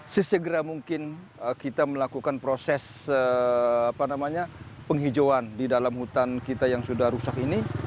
sesegera mungkin kita melakukan proses penghijauan di dalam hutan kita yang sudah rusak ini